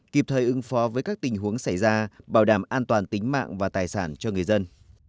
kịp thời ứng phó với các tình huống xảy ra bảo đảm an toàn tính mạng và tài sản cho người dân